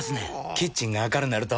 キッチンが明るなると・・・